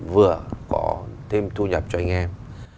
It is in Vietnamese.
vừa có thêm thu nhập cho anh em